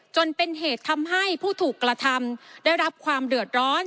จนเป็นเหตุทำให้ผู้ถูกกระทำได้รับความเดือดร้อน